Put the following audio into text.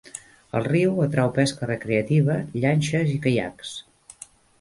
El riu atrau pesca recreativa, llanxes i caiacs.